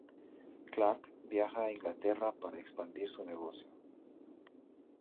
Clark viaja Inglaterra para expandir su negocio.